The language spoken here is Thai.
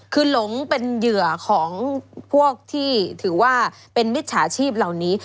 คือหลงเป็นเหยื่อของพวกที่ถือว่าเป็นมิจฉาชีพเหล่านี้